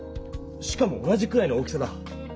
しかも同じくらいの大きさだ。